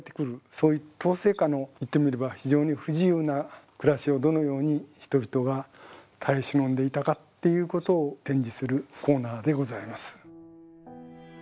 そういう統制下のいってみれば非常に不自由な暮らしをどのように人々が耐え忍んでいたかっていうことを展示するコーナーでございます。